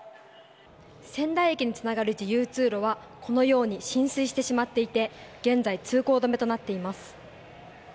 仙台駅につながる自由通路はこのように浸水してしまっていて現在通行止めとなっています。